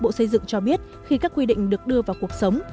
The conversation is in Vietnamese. bộ xây dựng cho biết khi các quy định được đưa vào cuộc sống